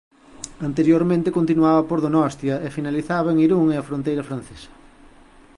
Anteriormente continuaba por Donostia e finalizaba en Irún e a fronteira francesa.